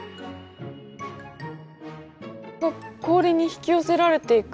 あっ氷に引き寄せられていく。